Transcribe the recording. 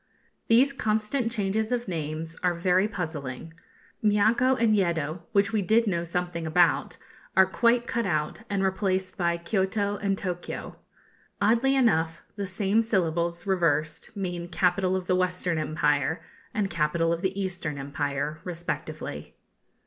These constant changes of names are very puzzling. Miaco and Yeddo, which we did know something about, are quite cut out, and replaced by Kioto and Tokio. Oddly enough, the same syllables, reversed, mean capital of the Western Empire and capital of the Eastern Empire respectively.